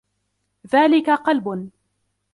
ذلك قلب.